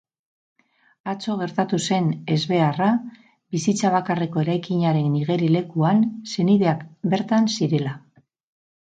Atzo gertatu zen ezbeharra, bizitza bakarreko eraikinaren igerilekuan, senideak bertan zirela.